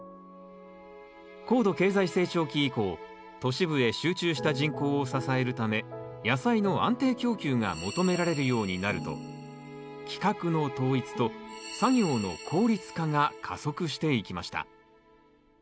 高度経済成長期以降都市部へ集中した人口を支えるため野菜の安定供給が求められるようになると規格の統一と作業の効率化が加速していきました。